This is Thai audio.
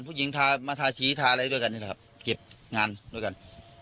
ผู้หญิงทามาทาสีทาอะไรด้วยกันนี่แหละครับเก็บงานด้วยกัน